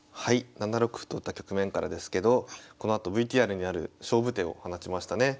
７六歩と打った局面からですけどこのあとＶＴＲにある勝負手を放ちましたね。